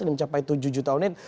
mencapai tujuh juta unit